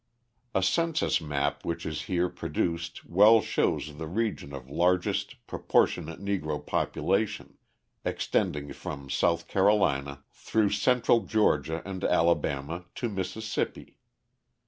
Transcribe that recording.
A census map which is here reproduced well shows the region of largest proportionate Negro population, extending from South Carolina through central Georgia and Alabama to Mississippi.